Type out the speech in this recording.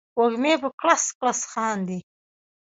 وږمې په کړس، کړس خاندي